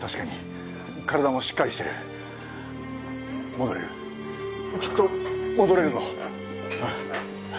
戻れるきっと戻れるぞ。